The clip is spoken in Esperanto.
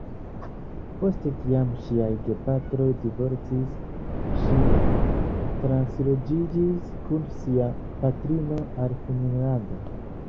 Post kiam ŝiaj gepatroj divorcis ŝi transloĝiĝis kun sia patrino al Finnlando.